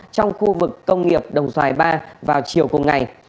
trong khu vực công nghiệp đồng xoài ba vào chiều cùng ngày